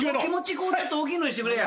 こうちょっと大きいのにしてくれや。